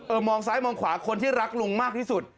มองซ้ายมองขวาคนที่รักลุงมากที่สุด